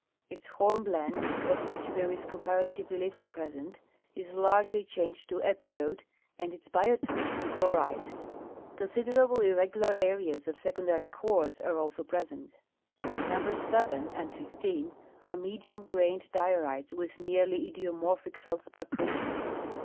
Its hornblende, of which tliere is comparatively little present, is largel}^ changed to epidote and its biotite to chlorite. Considerable irregular areas of secondary quartz are also present. Numbers 7 and 15 are medium grained diorites with nearly idiomorphic feldspar crystals.